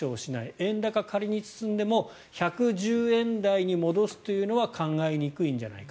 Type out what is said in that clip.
円高が仮に進んでも１１０円台に戻すというのは考えにくいんじゃないか。